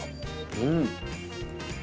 うん！